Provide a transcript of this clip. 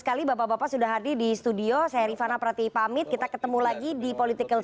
sekali bapak bapak sudah hadir di studio saya rifana prati pamit kita ketemu lagi di political